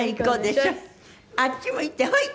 あっち向いてほい！